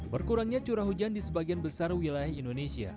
berkurangnya curah hujan di sebagian besar wilayah indonesia